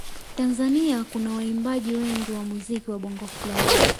Tanzania kuna waimbaji wengi wa muziki wa bongo fleva